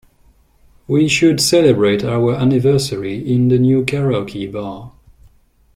We should celebrate our anniversary in the new karaoke bar.